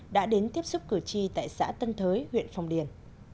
đã đến tiếp xúc cử tri tại xã tân thới huyện phòng điển